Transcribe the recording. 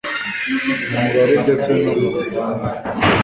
mu mibare ndetse no mu bizamine